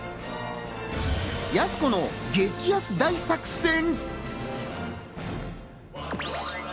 「やす子の激安大作戦！」。